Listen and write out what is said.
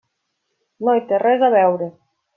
No hi té res a veure.